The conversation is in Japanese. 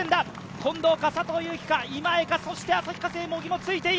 近藤か佐藤悠基か今江か、そして旭化成・茂木もついている。